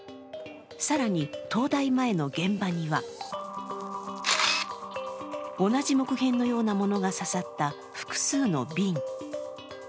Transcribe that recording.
更に東大前の現場には同じ木片のようなものが刺さった複数の瓶。